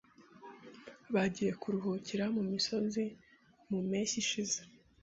Bagiye kuruhukira mumisozi mu mpeshyi ishize.